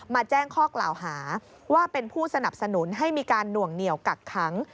แจ้งข้อกล่าวหาว่าเป็นผู้สนับสนุนให้มีการหน่วงเหนียวกักขัง